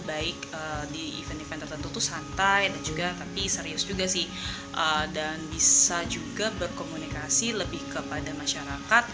baik di event event tertentu itu santai tapi serius juga sih dan bisa juga berkomunikasi lebih kepada masyarakat